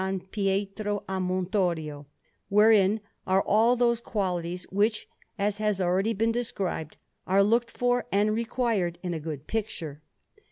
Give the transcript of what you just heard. Pietro a Montorio, wherein are all those qualities which, as has already been described, are looked for and required in a good picture.